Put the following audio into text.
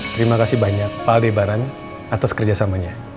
terimakasih banyak pak aldebaran atas kerjasamanya